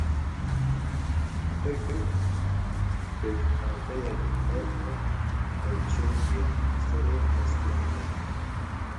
Kirkirk pêkhateyek nerm û qayişokî ye li serê hestiyan de.